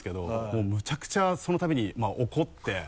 もうむちゃくちゃそのたびに怒って。